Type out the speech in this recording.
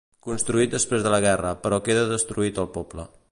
Construït després de la guerra però queda destruït el poble.